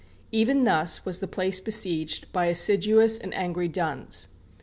Even thus was the place besieged by assiduous and angry duns.